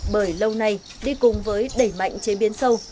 bởi lâu nay đi cùng với đẩy mạnh chế biến sâu